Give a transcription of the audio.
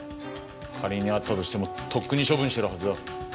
仮にあったとしてもとっくに処分してるはずだ。